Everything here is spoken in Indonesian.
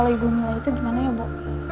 kalo ibu milah itu gimana ya bu